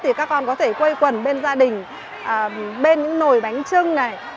thì các con có thể quây quần bên gia đình bên những nồi bánh trưng này